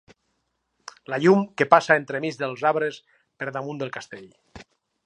La llum que passa entremig dels arbres, per damunt del castell...